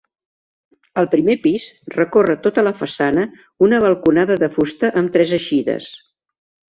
Al primer pis, recorre tota la façana una balconada de fusta amb tres eixides.